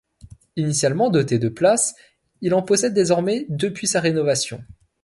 Initialement doté de places, il en possède désormais depuis sa rénovation.